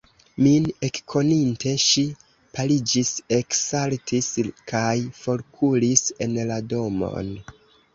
Min ekkoninte, ŝi paliĝis, eksaltis kaj forkuris en la domon.